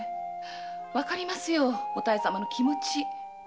わかりますよお妙様の気持ち。